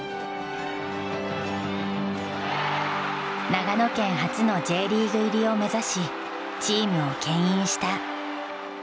長野県初のＪリーグ入りを目指しチームをけん引した。